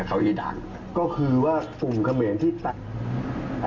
ก็ถอนจากภารกิจที่ตาพยา